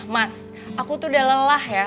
mas aku tuh udah lelah ya